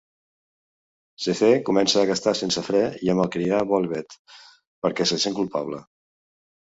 Sethe comença a gastar sense fre i a malcriar la Beloved perquè se sent culpable.